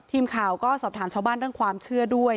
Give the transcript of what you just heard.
ทีมข่าวก็สอบถามชาวบ้านเรื่องความเชื่อด้วย